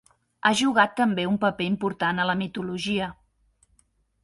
Ha jugat també un paper important a la mitologia.